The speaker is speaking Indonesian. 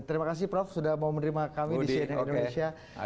terima kasih prof sudah mau menerima kami di cnn indonesia